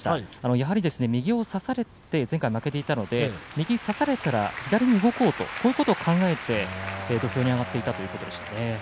やはり、右を差されて前回負けていたので右を差されたら左に動こうとそういうことを考えて、土俵に上がっていたということでした。